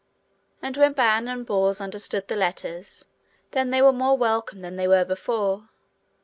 And when Ban and Bors understood the letters, then they were more welcome than they were before.